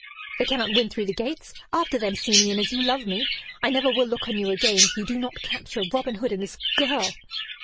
"They cannot win through the gates. After them, Simeon, as you love me. I never will look on you again if you do not capture Robin Hood and this girl."